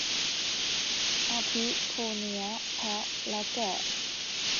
อาทิ โคเนื้อ แพะ และแกะ